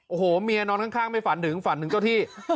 โอ้โหเมียนอนข้างไม่ฝันถึงฝันถึงเจ้าที่